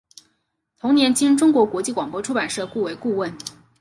同年经中国国际广播出版社雇为顾问。